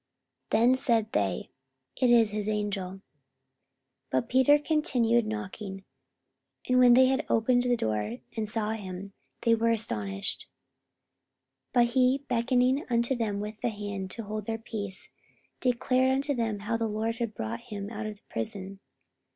Then said they, It is his angel. 44:012:016 But Peter continued knocking: and when they had opened the door, and saw him, they were astonished. 44:012:017 But he, beckoning unto them with the hand to hold their peace, declared unto them how the Lord had brought him out of the prison.